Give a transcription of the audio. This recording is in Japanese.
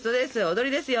踊りですよ。